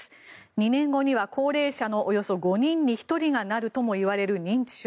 ２年後には高齢者のおよそ５人に１人がなるともいわれる認知症。